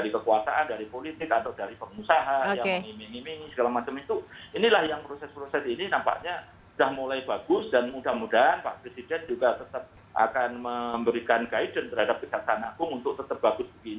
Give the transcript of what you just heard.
berdagun kadang kadang ada intervensi